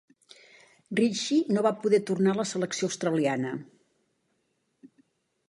Ritchie no va poder tornar a la selecció australiana.